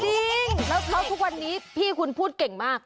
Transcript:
จริงแล้วทุกวันนี้พี่คุณพูดเก่งมาก